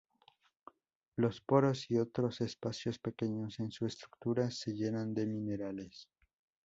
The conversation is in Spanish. Los poros y otros espacios pequeños en su estructura se llenan de minerales.